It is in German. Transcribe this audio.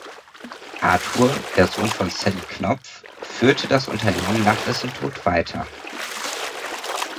Arthur, der Sohn von Sally Knopf, führte das Unternehmen nach dessen Tod weiter.